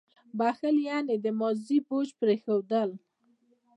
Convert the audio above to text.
• بښل یعنې د ماضي بوج پرېښودل.